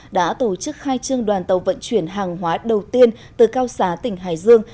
đã tổ chức khai trương đoàn tàu vận chuyển hàng hóa đầu tiên từ cao xá tỉnh hải dương